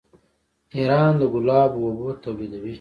ایران د ګلابو اوبه تولیدوي.